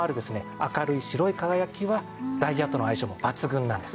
明るい白い輝きはダイヤとの相性も抜群なんです。